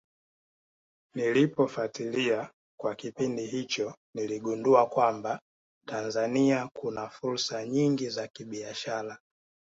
Nilipofatilia kwa kipindi hicho niligundua kwamba Tanzania kuna fursa nyingi za kibiashara